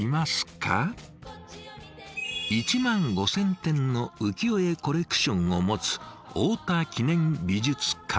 １万５，０００点の浮世絵コレクションを持つ太田記念美術館。